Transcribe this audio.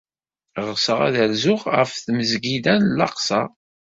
Ɣseɣ ad rzuɣ ɣef Tmesgida n Laqṣa.